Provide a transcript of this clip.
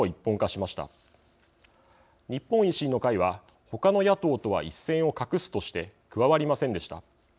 日本維新の会はほかの野党とは一線を画すとして加わりませんでした。